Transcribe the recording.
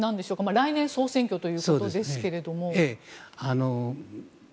来年、総選挙ということですけれども。